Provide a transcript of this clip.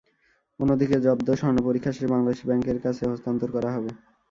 অন্যদিকে জব্দ স্বর্ণ পরীক্ষা শেষে বাংলাদেশ ব্যাংকের কাছে হস্তান্তর করা হবে।